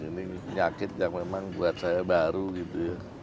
ini penyakit yang memang buat saya baru gitu ya